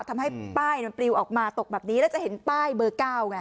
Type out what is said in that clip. ทำให้ป้ายมันปลิวออกมาตกแบบนี้แล้วจะเห็นป้ายเบอร์๙ไง